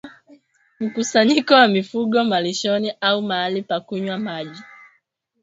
Mkusanyiko wa mifugo malishoni au mahali pa kunywa maji